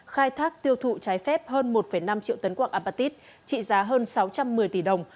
khai thác tiêu thụ trái phép hơn một năm triệu tấn quạng apatit trị giá hơn sáu trăm một mươi tỷ đồng